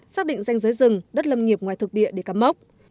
xác định danh giới rừng đất lâm nghiệp ngoài thực địa để cắm ốc